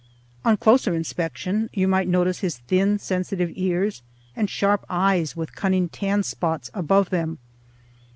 On closer inspection you might notice his thin sensitive ears, and sharp eyes with cunning tan spots above them.